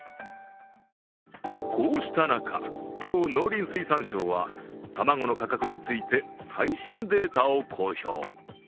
こうした中、今日、農林水産省は卵の価格について最新データを公表。